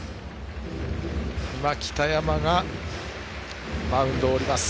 北山がマウンドを降ります。